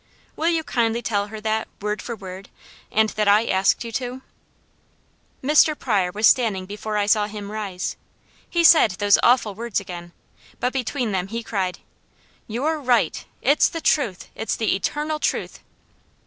Will you kindly tell her that word for word, and that I asked you to?" Mr. Pryor was standing before I saw him rise. He said those awful words again, but between them he cried: "You're right! It's the truth! It's the eternal truth!"